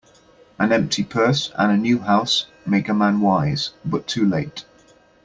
An empty purse, and a new house, make a man wise, but too late.